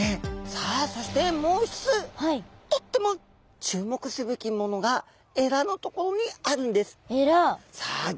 さあそしてもう一つとっても注目すべきものがエラのところにあるんです。